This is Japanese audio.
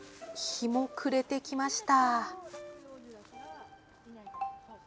日も暮れてきました。